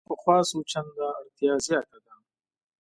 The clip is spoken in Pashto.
تر پخوا څو چنده اړتیا زیاته ده.